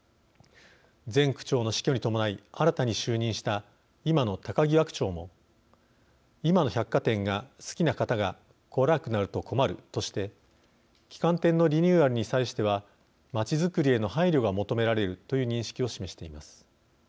前区長の死去に伴い新たに就任した今の高際区長も「今の百貨店が好きな方が来なくなると困る」として旗艦店のリニューアルに際しては街づくりへの配慮が求められるという認識を示しています。